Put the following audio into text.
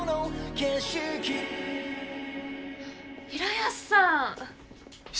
平安さん！